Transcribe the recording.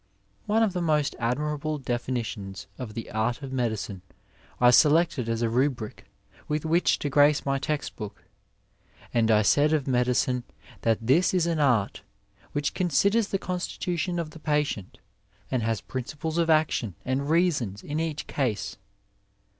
One of the most admirable definitions of the Art of Medicine I selected as a mbric with which to grace my text book, " And I said of medicine, that this is an Art which considers the constitution of the patient, and has principles of action and reasons in each case."